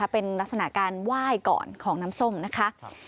เป็นลักษณะการไหว้ก่อนของน้ำส้มนะคะ